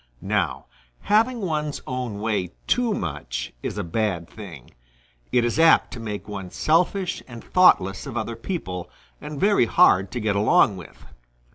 Now having one's own way too much is a bad thing. It is apt to make one selfish and thoughtless of other people and very hard to get along with.